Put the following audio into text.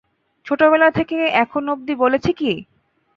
ছোটবেলা থেকে এখন অবধি বলেছি কি?